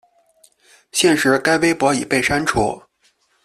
现时该微博已被删除。